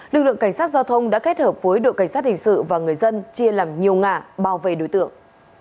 lực lượng cảnh sát giao thông đã kết hợp với đội cảnh sát hình sự và người dân chia làm nhiều ngã bao vây đối tượng